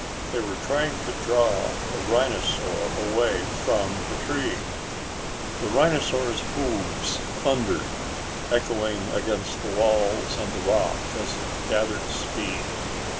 They were trying to draw the rhinosaur away from the tree. The rhinosaur's hooves thundered, echoing against the walls and the rocks as it gathered speed.